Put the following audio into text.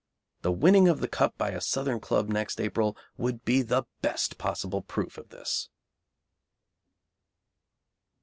The winning of the Cup by a Southern club next April would be the best possible proof of this.